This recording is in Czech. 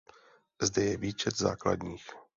Zde je výčet základních.